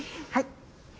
はい！